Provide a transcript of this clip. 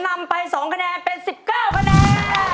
นำไป๒คะแนนเป็น๑๙คะแนน